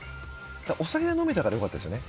お酒飲めたからよかったですよね。